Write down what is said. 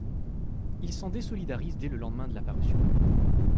Il s'en désolidarise dès le lendemain de la parution.